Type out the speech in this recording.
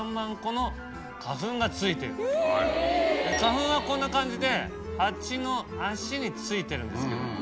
花粉はこんな感じでハチの脚についているんですけど。